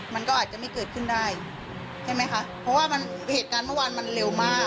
มันก็อาจจะไม่เกิดขึ้นได้ใช่ไหมคะเพราะว่ามันเหตุการณ์เมื่อวานมันเร็วมาก